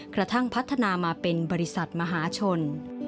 กระทั่งพัฒนามาเป็นบริษัทมหาชน